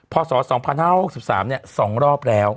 พศ๒๕๖๓เนี่ย๒รอบแล้ว